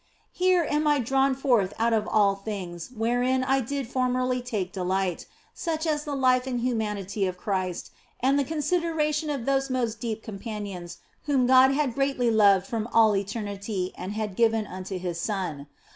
Here am I drawn forth put of all things wherein I did formerly take delight, such as the life and humanity of Christ and the consideration of those most deep com panions whom God had greatly loved from all eternity and had given unto His Son.